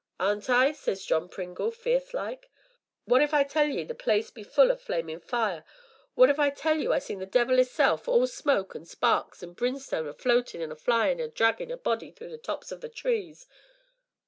'Aren't it?' says John Pringle, fierce like; 'what if I tell ye the place be full o' flamin' fire what if I tell ye I see the devil 'isself, all smoke, an' sparks, an' brimston' a floatin' an' a flyin', an' draggin' a body through the tops o' the trees?'